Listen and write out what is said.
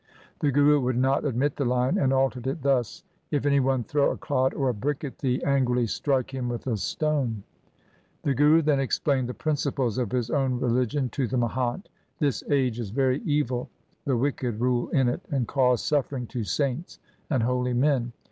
The Guru would not admit the last line, and altered it thus :— If any one throw a clod or a brick at thee, angrily strike him with a stone. The Guru then explained the principles of his own religion to the Mahant :' This age is very evil. The wicked rule in it, and cause suffering to saints and holy men.